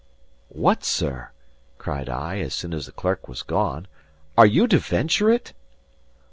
"What, sir," cried I, as soon as the clerk was gone, "are you to venture it?"